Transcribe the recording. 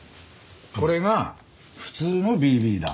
これが普通のＢＢ弾。